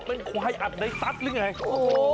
มันควายอัดใดซักหรือยังไง